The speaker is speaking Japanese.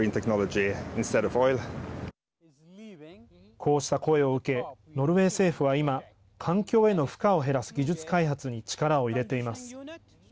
こうした声を受けノルウェー政府は今環境への負荷を減らす技術開発に力を入れています。